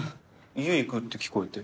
「家行く」って聞こえて。